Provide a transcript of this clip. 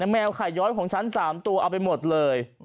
แมวไข่ย้อยของฉัน๓ตัวเอาไปหมดเลย